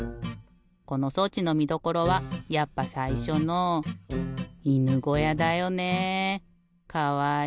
この装置のみどころはやっぱさいしょのいぬごやだよねえかわいい。